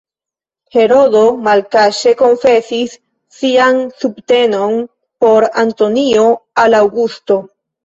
Herodo malkaŝe konfesis sian subtenon por Antonio al Aŭgusto.